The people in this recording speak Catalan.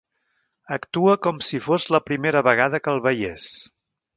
Actua com si fos la primera vegada que el veiés.